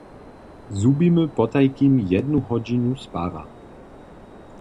Zhubimy potajkim jednu hodźinu spara.